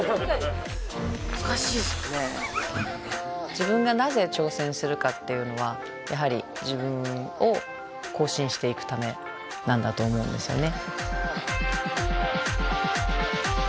自分がなぜ挑戦するかっていうのはやはり自分を更新していくためなんだと思うんですよね。